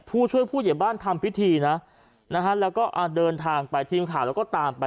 ผู้ช่วยผู้เหยียบบ้านทำพิธีนะนะฮะแล้วก็เดินทางไปทีมข่าวแล้วก็ตามไป